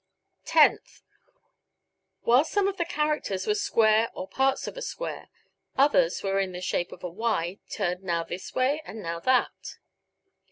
Tenth: While some of the characters were squares or parts of a square, others were in the shape of a Y turned now this way and now that.